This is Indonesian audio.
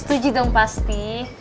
setuju dong pasti